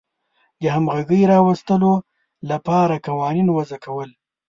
د همغږۍ راوستلو لپاره قوانین وضع کول.